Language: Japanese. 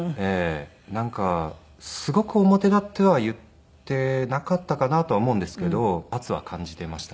なんかすごく表立っては言っていなかったかなとは思うんですけど圧は感じていましたね。